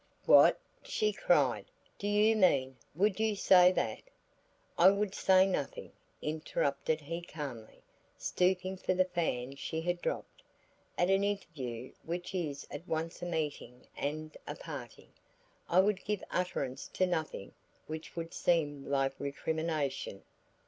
"What," she cried, "do you mean would you say that " "I would say nothing," interrupted he calmly, stooping for the fan she had dropped. "At an interview which is at once a meeting and a parting, I would give utterance to nothing which would seem like recrimination.